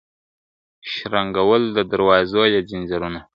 شرنګول د دروازو یې ځنځیرونه ..